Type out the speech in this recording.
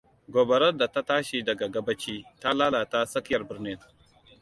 Gobarar da ta tashi daga gabaci, ta lalata tsakiyar birnin.